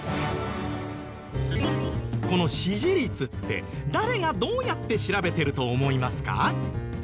この支持率って誰がどうやって調べてると思いますか？